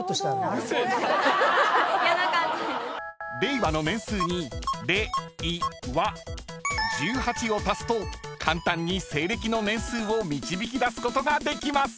［令和の年数に２０１８１８を足すと簡単に西暦の年数を導き出すことができます］